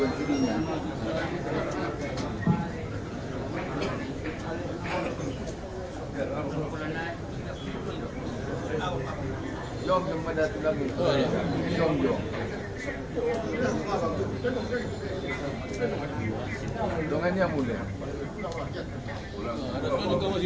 assalamualaikum warahmatullahi wabarakatuh